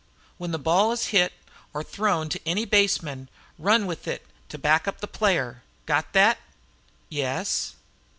"When the ball is hit or thrown to any base man, run with it to back up the player. Got thet?" "Yes.